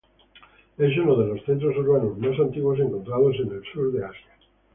Es uno de los centros urbanos más antiguos encontrados en el sur de Asia.